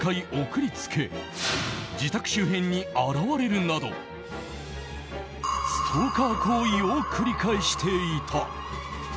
送り付け自宅周辺に現れるなどストーカー行為を繰り返していた。